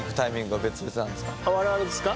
あっ我々ですか？